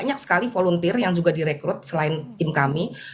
banyak sekali volunteer yang juga direkrut selain tim kami